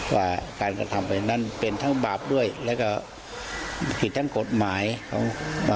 ว่าการกระทำไปนั้นเป็นทั้งบาปด้วยแล้วก็ผิดทั้งกฎหมายเขาอ่า